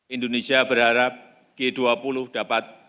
indonesia berharap g dua puluh dapat